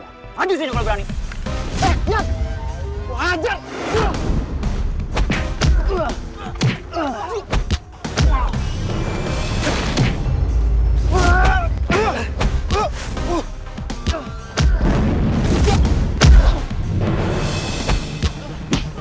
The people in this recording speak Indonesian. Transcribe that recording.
saya ada adalah racun iklisannya